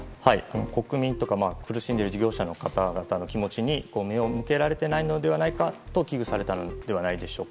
国民とか苦しんでる事業者の方々の気持ちに目を向けられてないのではないかと危惧されたのではないでしょうか。